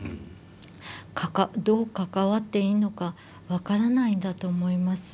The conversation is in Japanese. どう関わっていいのか分からないんだと思います。